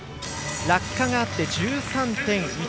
落下があって１３．１３３。